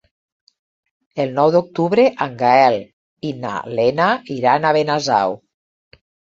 El nou d'octubre en Gaël i na Lena iran a Benasau.